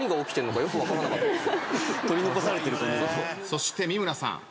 そして三村さん